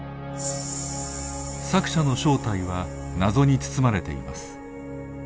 作者の正体は謎に包まれています。